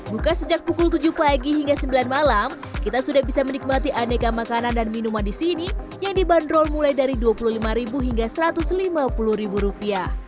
buka sejak pukul tujuh pagi hingga sembilan malam kita sudah bisa menikmati aneka makanan dan minuman di sini yang dibanderol mulai dari rp dua puluh lima hingga rp satu ratus lima puluh